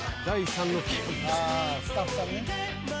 スタッフさんね。